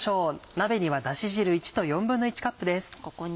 鍋にはだし汁１と１／４カップです。